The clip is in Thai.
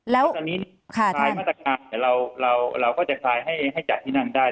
แล้วตอนนี้คลายมาตรการเราก็จะคลายให้จัดที่นั่งได้